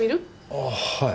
あぁはい。